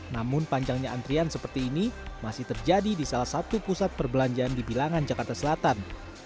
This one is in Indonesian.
namun panjangnya antrian seperti ini masih terjadi di salah satu pusat perbelanjaan di bilangan jakarta selatan